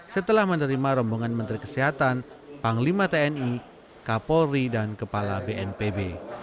setelah menerima rombongan menteri kesehatan panglima tni kapolri dan kepala bnpb